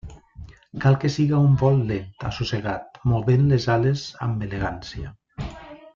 Cal que siga un vol lent, assossegat, movent les ales amb elegància.